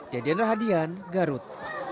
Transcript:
jadian rahadian garut